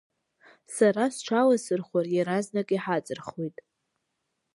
Сара сҽаласырхәыр, иаразнак иҳаҵырхуеит.